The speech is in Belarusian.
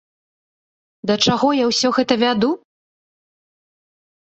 Да чаго я ўсё гэта вяду?